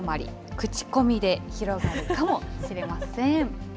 口コミで広がるかもしれません。